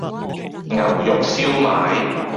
牛肉燒賣